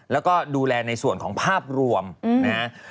แล้วก็ดูแลในส่วนของภาพรวมนะฮะ